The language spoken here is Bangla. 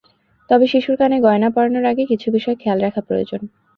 তবে শিশুর কানে গয়না পরানোর আগে কিছু বিষয় খেয়াল রাখা প্রয়োজন।